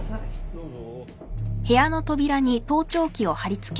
どうぞ。